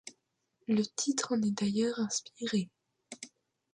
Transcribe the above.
Le titre en est d'ailleurs inspiré.